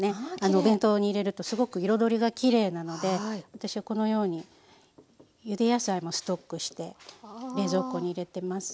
お弁当に入れるとすごく彩りがきれいなので私はこのようにゆで野菜もストックして冷蔵庫に入れてます。